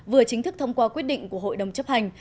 vừa chính thức thông qua quyết định của hội đồng chấp hành